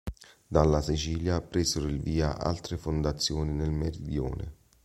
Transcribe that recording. Dalla Sicilia presero il via altre fondazioni nel Meridione.